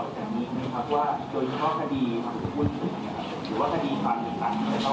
โดยเฉพาะคดีความอุ้นหรือว่าคดีความหิตรัน